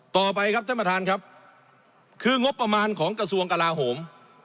ต่อไปครับท่านประธานครับคืองบประมาณของกระทรวงกลาโหม